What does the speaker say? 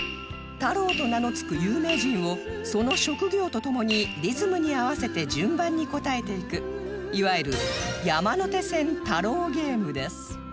「太郎」と名の付く有名人をその職業とともにリズムに合わせて順番に答えていくいわゆる山手線太郎ゲームです